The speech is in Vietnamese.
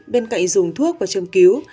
bên cạnh dùng thuốc và châm cứu